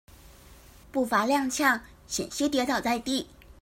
步伐踉蹌險些跌倒在地